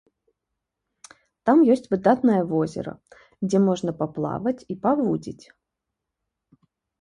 Там ёсць выдатнае возера, дзе можна паплаваць і павудзіць.